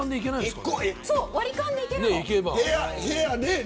割り勘で行けるの。